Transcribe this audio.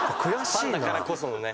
ファンだからこそのね。